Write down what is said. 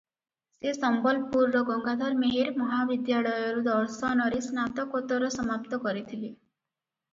ସେ ସମ୍ବଲପୁରର ଗଙ୍ଗାଧର ମେହେର ମହାବିଦ୍ୟାଳୟରୁ ଦର୍ଶନରେ ସ୍ନାତକୋତ୍ତର ସମାପ୍ତ କରିଥିଲେ ।